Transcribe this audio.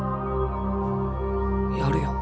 やるよ